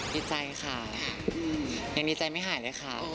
ดีใจค่ะยังดีใจไม่หายเลยค่ะ